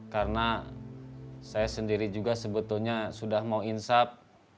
karena saya sendiri juga sebetulnya sudah mau insaf